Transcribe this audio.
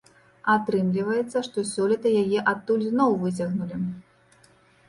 Атрымліваецца, што сёлета яе адтуль зноў выцягнулі.